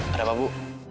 ada apa bu